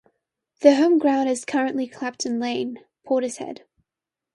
Their home ground is currently Clapton Lane, Portishead.